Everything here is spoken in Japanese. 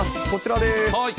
こちらです。